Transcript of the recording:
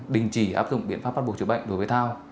đình chỉ áp dụng biện pháp bắt buộc chữa bệnh đối với thao